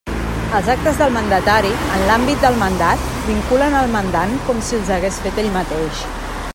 Els actes del mandatari, en l'àmbit del mandat, vinculen el mandant com si els hagués fet ell mateix.